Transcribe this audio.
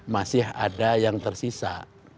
masih ada yang tersisa